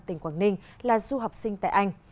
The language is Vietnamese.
tỉnh quảng ninh là du học sinh tại anh